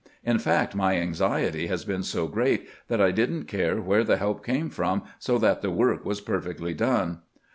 In fact, my anxiety has been so great that I did n't care where the help came from, so that the work was perfectly done."